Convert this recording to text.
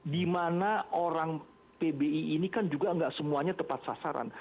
dimana orang pbi ini kan juga nggak semuanya tepat sasaran